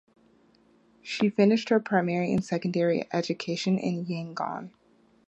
She finished her primary and secondary education in Yangon.